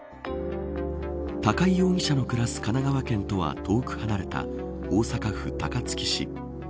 高井容疑者の暮らす神奈川県とは遠く離れた大阪府高槻市。